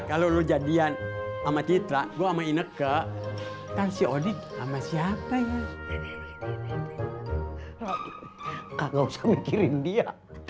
kalau jadian amatitra gua main eka kan si odin ama siapanya kagak usah mikirin dia